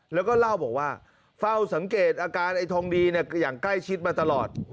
แล้วก็เล่าบอกว่าเฝ้าสังเกตอาการไอ้ทองดีเนี่ยอย่างใกล้ชิดมาตลอด